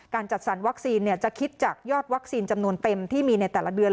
จัดสรรวัคซีนจะคิดจากยอดวัคซีนจำนวนเต็มที่มีในแต่ละเดือน